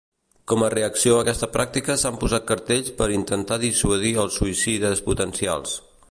Com a reacció a aquesta pràctica s'han posat cartells per intentar dissuadir als suïcides potencials.